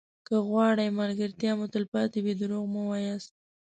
که غواړئ ملګرتیا مو تلپاتې وي دروغ مه وایاست.